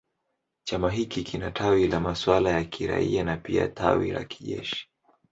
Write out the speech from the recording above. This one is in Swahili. Chama hiki kina tawi la masuala ya kiraia na pia tawi la kijeshi.